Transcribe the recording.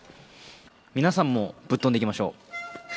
皆さんも、ぶっ飛んでいきましょう！